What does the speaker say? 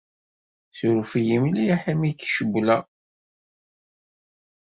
Ssuref-iyi mliḥ imi i k-cewwleɣ.